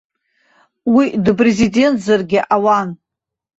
Уи дпрезидентзаргьы ауан.